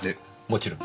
もちろん。